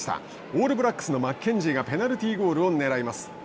オールブラックスのマッケンジーがペナルティーゴールをねらいます。